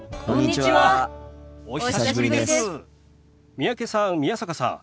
三宅さん宮坂さん